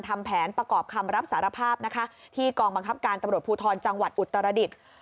ทำแผนประกอบคำรับสารภาพนะคะที่กองบังคับการตำรวจภูทรจังหวัดอุตรดิษฐ์